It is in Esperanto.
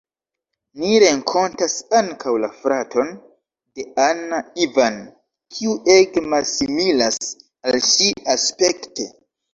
Ni renkontas ankaŭ la fraton de Anna, Ivan, kiu ege malsimilas al ŝi aspekte.